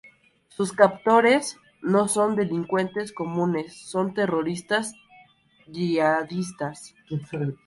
Sus captores no son delincuentes comunes; son terroristas yihadistas.